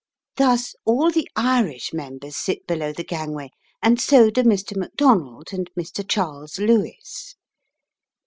Thus all the Irish members sit below the gangway, and so do Mr. Macdonald and Mr. Charles Lewis.